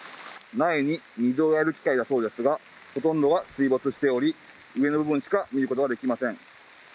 苗に水をやる機械だそうですが、ほとんどが水没しており、上の部分しか見ることができません。